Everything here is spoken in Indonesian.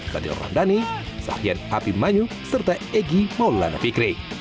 daniel randani zahian apimanyu serta egy maulana fikri